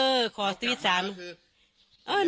เออขอซูนิสสามี